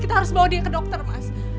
kita harus bawa dia ke dokter mas